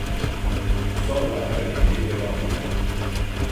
Sonra akademiye devam ettim.